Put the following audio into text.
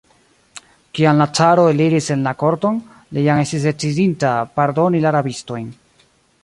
Kiam la caro eliris en la korton, li jam estis decidinta pardoni la rabistojn.